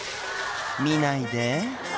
「見ないで」